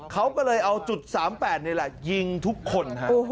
เขาก็เลยเอาจุด๓๘นี่แหละยิงทุกคน